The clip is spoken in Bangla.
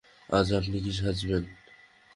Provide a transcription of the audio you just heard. আজ আপনি কী সাজবেন?